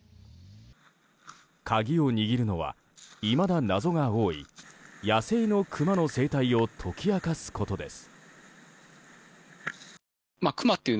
鍵を握るのは、いまだ謎が多い野生のクマの生態を解き明かすことです。